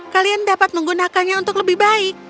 kalian dapat menggunakannya untuk lebih baik